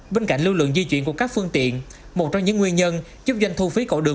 bên cạnh lưu lượng di chuyển của các phương tiện một trong những nguyên nhân giúp doanh thu phí cậu đường